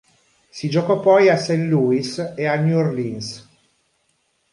Si giocò poi a St. Louis e a New Orleans.